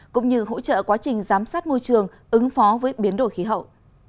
cũng như hỗ trợ quá trình giám sát môi trường ứng phó với biến đổi khí hậu